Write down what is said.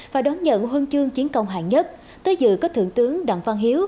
và đón nhận huân chương chiến công hạng nhất tới dự có thượng tướng đặng văn hiếu